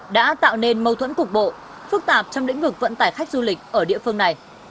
đã tạo nên mâu thuẫn cục bộ phức tạp trong lĩnh vực vận tải khách du lịch ở địa phương này